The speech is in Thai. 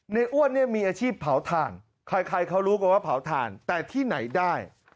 อ้วนเนี่ยมีอาชีพเผาถ่านใครเขารู้กันว่าเผาถ่านแต่ที่ไหนได้